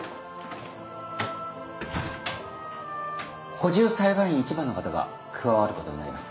補充裁判員１番の方が加わることになります。